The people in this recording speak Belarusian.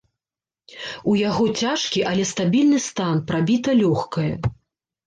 У яго цяжкі, але стабільны стан, прабіта лёгкае.